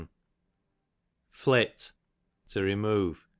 Flit, to remove.